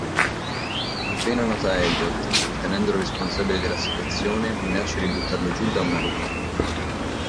Appena nota Elliot, ritenendolo responsabile della situazione, minaccia di buttarlo giù da una rupe.